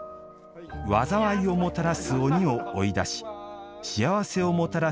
禍をもたらす鬼を追い出し幸せをもたらす